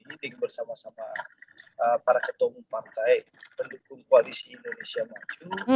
yang bersama sama para ketomong partai pendukung koalisi indonesia maju